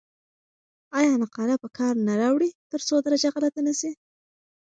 آیا نقاله په کار نه راوړئ ترڅو درجه غلطه نه سی؟